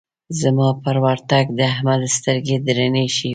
زما پر ورتګ د احمد سترګې درنې شوې.